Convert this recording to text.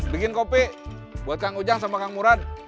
bikin kopi buat kang ujang sama kang murad